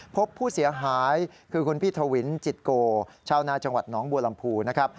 พบผู้เสียหายคือคุณพี่ทวินจิตโกชาวนาจังหวัดหนองบัวลำพูนะครับ